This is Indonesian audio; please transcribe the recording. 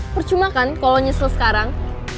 percuma kan kalo lo nyesel sekarang